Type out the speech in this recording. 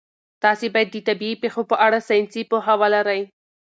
تاسي باید د طبیعي پېښو په اړه ساینسي پوهه ولرئ.